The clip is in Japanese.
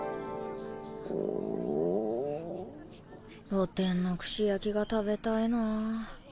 露店の串焼きが食べたいなぁ。